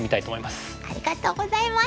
ありがとうございます！